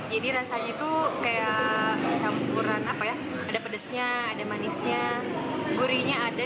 jadi rasanya itu kayak campuran apa ya ada pedesnya ada manisnya gurinya ada